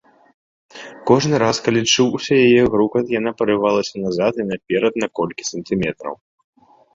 Кожны раз, калі чуўся яе грукат, яна парывалася назад і наперад на колькі сантыметраў.